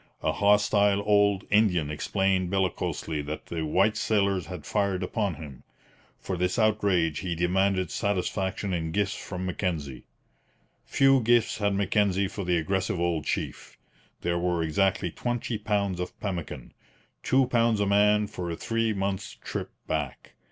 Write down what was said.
A hostile old Indian explained bellicosely that the white sailors had fired upon him. For this outrage he demanded satisfaction in gifts from Mackenzie. Few gifts had Mackenzie for the aggressive old chief. There were exactly twenty pounds of pemmican two pounds a man for a three months' trip back.